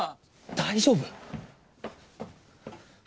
大丈夫？